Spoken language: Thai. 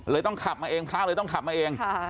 ต้องขับมาเองพระเลยต้องขับมาเอง